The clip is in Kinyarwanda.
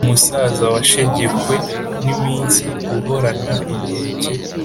umusaza washegehwe n’iminsi, uhorana inkeke,